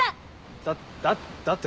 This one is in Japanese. だっだっだって